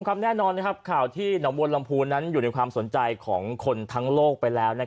แน่นอนข่าวที่หนองบวนลำพูนนั้นอยู่ในความสนใจของคนทั้งโลกไปแล้ว